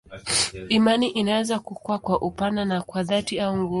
Imani inaweza kukua kwa upana na kwa dhati au nguvu.